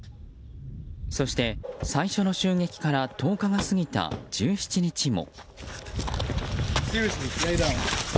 そして最初の襲撃から１０日が過ぎた１７日も。